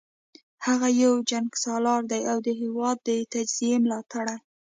هغه یو جنګسالار دی او د هیواد د تجزیې ملاتړی